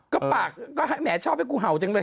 ก็ปากก็แหมชอบให้กูเห่าจังเลย